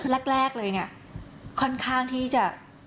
แรกเลยเนี่ยค่อนข้างที่จะ